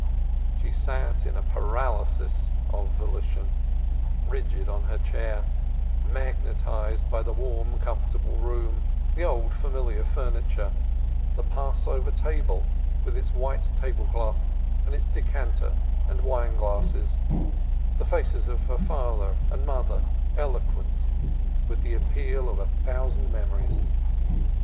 She sat in a paralysis of volition; rigid on her chair, magnetized by the warm comfortable room, the old familiar furniture, the Passover table with its white table cloth and its decanter and wine glasses, the faces of her father and mother eloquent with the appeal of a thousand memories.